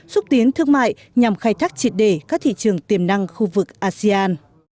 xúc tiến thương mại nhằm khai thác triệt đề các thị trường tiềm năng khu vực asean